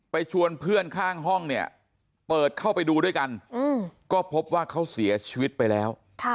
ชวนเพื่อนข้างห้องเนี่ยเปิดเข้าไปดูด้วยกันก็พบว่าเขาเสียชีวิตไปแล้ว